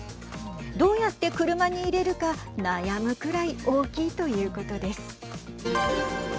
どうやって車に入れるか悩むくらい大きいということです。